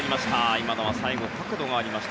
今のは最後、角度がありました。